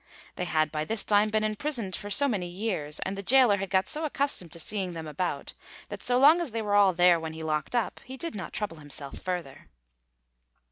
They had by this time been imprisoned for so many years, and the gaoler had got so accustomed to seeing them about, that so long as they were all there when he locked up, he did not trouble himself further.